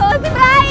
suruh si rai